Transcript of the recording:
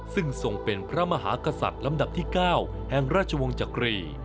ซึ่งทรงเป็นพระมหากษัตริย์ลำดับที่๙แห่งราชวงศ์จักรี